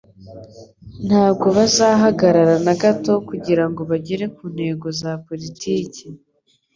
Ntabwo bazahagarara na gato kugirango bagere ku ntego zabo za politiki.